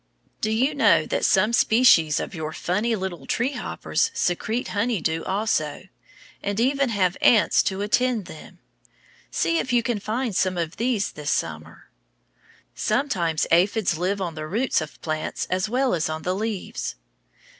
Do you know that some species of your funny little tree hoppers secrete honey dew also, and even have ants to attend them? See if you can find some of these this summer. Sometimes aphids live on the roots of plants as well as on the leaves.